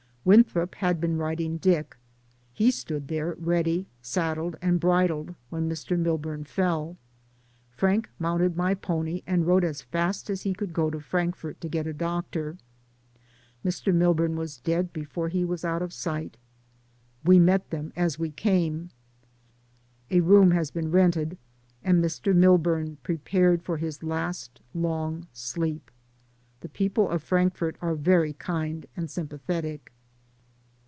Winthrop had been riding Dick; he stood there, ready, saddled and bridled when Mr. Milburn fell ; Frank mounted my pony and rode as fast as he could go to Frankfort to get a doctor. 50 DAYS ON THE ROAD. Mr. Milburn was dead before he was out of sight. We met them as we came. A room has been rented and Mr. Milburn prepared for his last long sleep. The people of Frank fort are very kind, and sympathetic.